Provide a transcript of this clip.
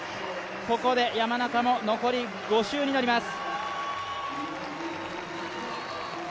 ここで山中も残り５周になります。